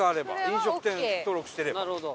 飲食店登録してれば。